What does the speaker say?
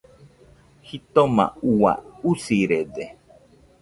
Jitoma ua, usirede.